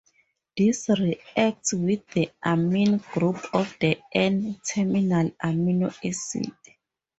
This reacts with the amine group of the N-terminal amino acid.